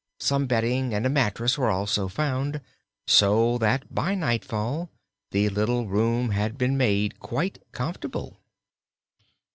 Some bedding and a mattress were also found, so that by nightfall the little room had been made quite comfortable.